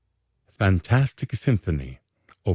FANTASTIC SYMPHONY: Op.